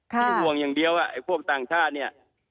ที่ห่วงอย่างเดียวไอ้พวกต่างชาติเนี่ย